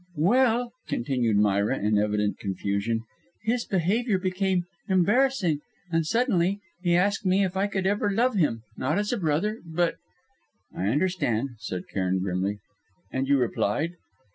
"Well," continued Myra in evident confusion, "his behaviour became embarrassing; and suddenly he asked me if I could ever love him, not as a brother, but " "I understand!" said Cairn grimly. "And you replied?"